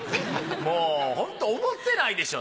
もうホント思ってないでしょ。